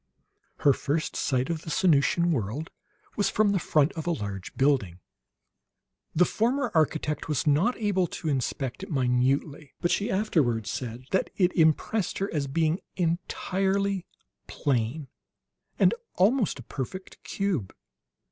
Her first sight of the Sanusian world was from the front of a large building. The former architect was not able to inspect it minutely; but she afterwards said that it impressed her as being entirely plain, and almost a perfect cube.